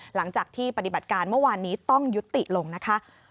หลังจากที่ปฏิบัติการเมื่อวานนี้ต้องยุติลงนะคะ